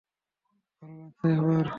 ভালো লাগছে এবার?